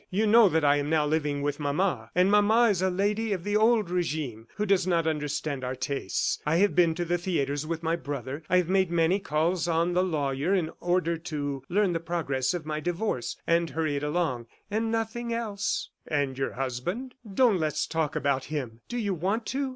You know that I am now living with mama, and mama is a lady of the old regime who does not understand our tastes. I have been to the theatres with my brother. I have made many calls on the lawyer in order to learn the progress of my divorce and hurry it along ... and nothing else." "And your husband?" "Don't let's talk about him. Do you want to?